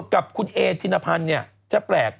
กับคุณเอ่ยทิณภัณฑ์เนี่ยแท้แปลก